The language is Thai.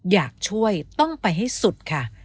อยากช่วยต้องไปให้สุดค่ะ